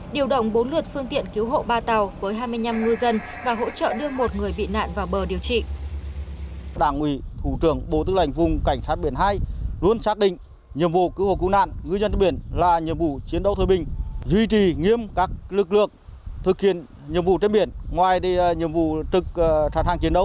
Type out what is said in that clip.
điều động bốn lượt phương tiện cứu hộ ba tàu với hai mươi năm ngư dân và hỗ trợ đưa một người bị nạn vào bờ điều trị